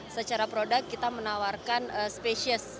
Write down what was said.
secara produk kita menawarkan spesies